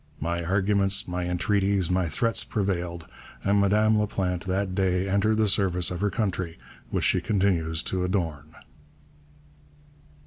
My arguments, my entreaties, my threats prevailed, and Madame Laplante that day entered the service of her country, which she continues to adorn!